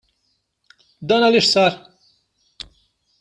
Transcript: Dan għaliex sar?